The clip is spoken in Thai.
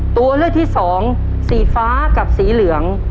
ตัวเลือกที่สองสีฟ้ากับสีเหลือง